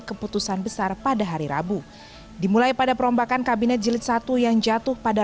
keputusan besar pada hari rabu dimulai pada perombakan kabinet jilid satu yang jatuh pada